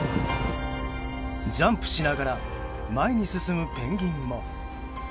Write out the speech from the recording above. ジャンプしながら前に進むペンギンも。